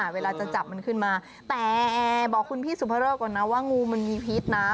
เวลาจะจับมันขึ้นมาแต่บอกคุณพี่สุภเริกก่อนนะว่างูมันมีพิษนะ